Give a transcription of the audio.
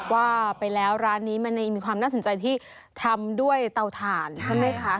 ว่าไปแล้วร้านนี้มันมีความน่าสนใจที่ทำด้วยเตาถ่านใช่ไหมคะ